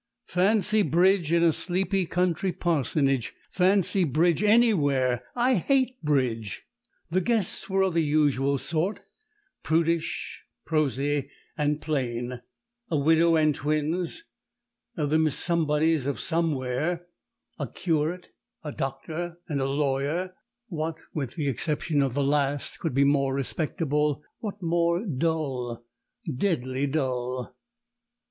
Fancy Bridge in a sleepy country Parsonage, fancy Bridge anywhere! I hate Bridge! The guests were of the usual sort, prudish, prosy and plain; a widow and twins, the Miss Somebodies of Somewhere; a curate, a doctor and a lawyer! What (with the exception of the last) could be more respectable, what more dull deadly dull?